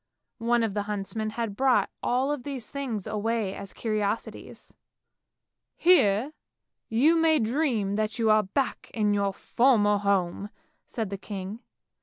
One of the huntsmen had brought all these things away as curiosities. " Here you may dream that you are back in your former home! " said the king.